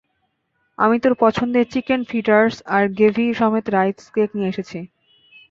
আমি তোর পছন্দের, চিকেন ফ্রিটার্স আর গ্রেভি সমেত রাইস কেক নিয়ে এসেছি।